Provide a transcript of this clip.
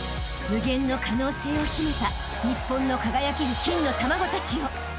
［無限の可能性を秘めた日本の輝ける金の卵たちよ］